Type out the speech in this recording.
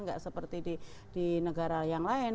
nggak seperti di negara yang lain